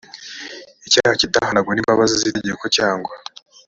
icyaha kitahanaguwe n imbabazi z itegeko cyangwa